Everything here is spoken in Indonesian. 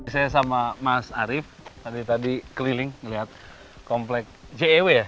saya sama mas arief tadi tadi keliling melihat komplek jew ya